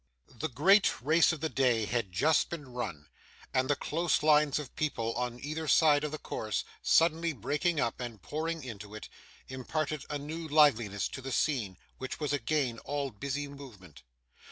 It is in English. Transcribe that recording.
The great race of the day had just been run; and the close lines of people, on either side of the course, suddenly breaking up and pouring into it, imparted a new liveliness to the scene, which was again all busy movement.